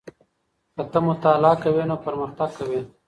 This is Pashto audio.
که ته مطالعه کوې نو پرمختګ کوې.